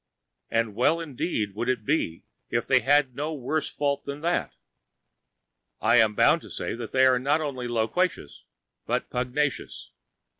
And well indeed would it be if they had no worse fault than that. I am bound to say that they are not only loquacious, but pugnacious.